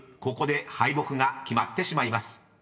ここで敗北が決まってしまいます］